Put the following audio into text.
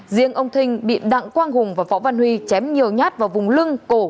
riêng ông thinh bị đặng quang hùng và võ văn huy chém nhiều nhát vào vùng lưng cổ